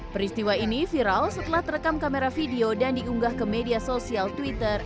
peristiwa ini viral setelah terekam kamera video dan diunggah ke media sosial twitter